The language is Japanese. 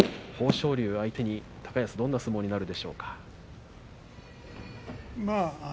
豊昇龍、相手に高安どんな相撲になるでしょうか。